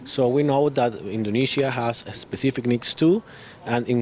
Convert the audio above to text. jadi kita tahu bahwa indonesia memiliki kebutuhan spesifik dan di beberapa kawasan